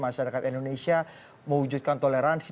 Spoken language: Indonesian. masyarakat indonesia mewujudkan toleransi